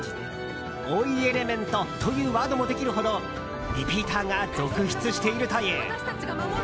追いエレメントというワードもできるほどリピーターが続出しているという。